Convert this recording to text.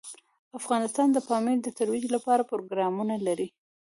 افغانستان د پامیر د ترویج لپاره پروګرامونه لري.